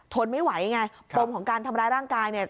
ทนไม่ไหวไงปมของการทำร้ายร่างกายเนี่ย